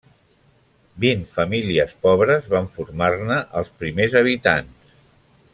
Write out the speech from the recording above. Vint famílies pobres van formar-ne els primers habitants.